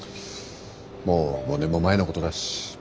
もう５年も前のことだし。